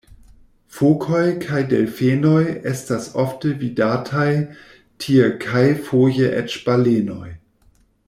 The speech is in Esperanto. Fokoj kaj delfenoj estas ofte vidataj tie kaj foje eĉ balenoj.